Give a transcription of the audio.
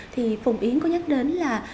thì phùng yến có nhắc đến là